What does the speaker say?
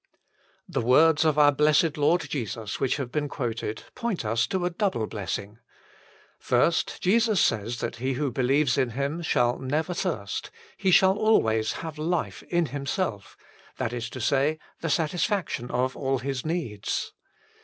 The words of our blessed Lord Jesus which have been quoted, point us to a double blessing. First, Jesus says that he who believes in Him shall never thirst : he shall always have life in 107 himself that is to say, the satisfaction of all his needs.